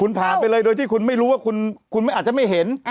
คุณผ่านไปเลยโดยที่คุณไม่รู้ว่าคุณอาจจะไม่เห็น